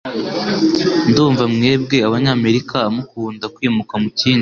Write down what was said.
Ndumva mwebwe abanyamerika mukunda kwimuka mukindi